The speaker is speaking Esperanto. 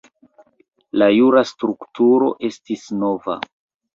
La jura strukturo estis nova.